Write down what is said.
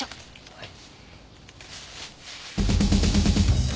はい。